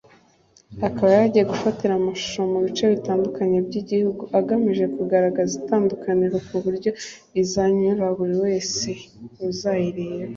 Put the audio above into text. akaba yaragiye gufatira amashusho mu bice bitandukanye by’igihugu agamije kugaragaza itandukaniro kuburyo izanyura buri wese uzayireba